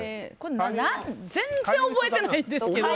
全然覚えてないんですけど。